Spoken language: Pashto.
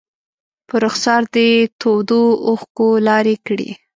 په رخسار دې تودو اوښکو لارې کړي